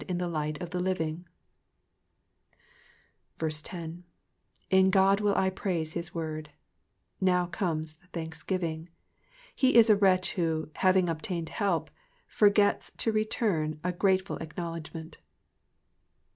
in the light of the living ? 10. *'/» Qod will I praise his word.^^ Now comes the thanksgiving. He is a wretch who, having obtained help, forgets to return a grateful acknowledgment.